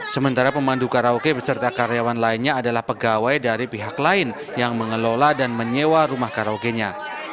sementara pemandu karaoke beserta karyawan lainnya adalah pegawai dari pihak lain yang mengelola dan menyewa rumah karaokenya